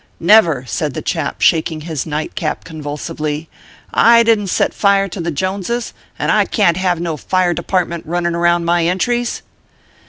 "Never !" said the chap, shaking his nightcap con vulsively ; I didn t set fire to Joneses, and I can t have no Fire Department running around my entries."